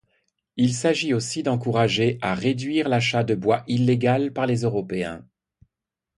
Il s'agit aussi d'encourager à réduire l'achat de bois illégal par les Européens.